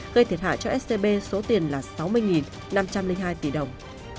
gây thiệt hại cho scb số tiền là sáu mươi năm trăm linh hai tỷ đồng